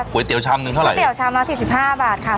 ก๋วยเตี๋ยวชามหนึ่งเท่าไรที่ก๋วยเตี๋ยวชำล้านสี่สิบห้าบาทค่ะ